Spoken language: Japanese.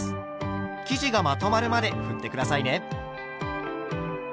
生地がまとまるまでふって下さいね。